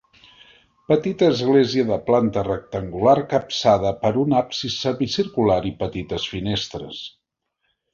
Petita església de planta rectangular capçada per un absis semicircular i petites finestres.